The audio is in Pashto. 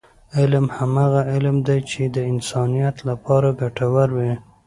علم هماغه علم دی، چې د انسانیت لپاره ګټور وي.